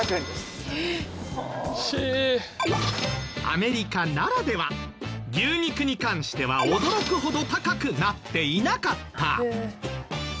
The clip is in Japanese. アメリカならでは牛肉に関しては驚くほど高くなっていなかった。